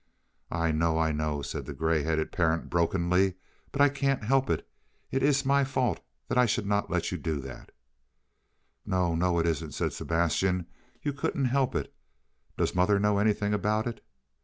"I know, I know," said the gray headed parent brokenly, "but I can't help it. It is my fault that I should let you do that." "No, no, it isn't," said Sebastian. "You couldn't help it. Does mother know anything about it?"